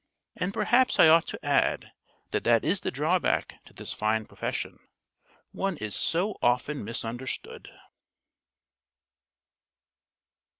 And perhaps I ought to add that that is the drawback to this fine profession. One is so often misunderstood.